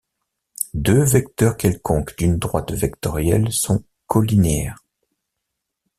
Deux vecteurs quelconques d'une droite vectorielle sont colinéaires.